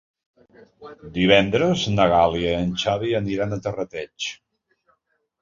Divendres na Gal·la i en Xavi aniran a Terrateig.